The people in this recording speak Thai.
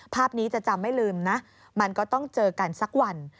ภาพนี้จะจำไม่ลืมนะมันก็ต้องเจอกันสักวัน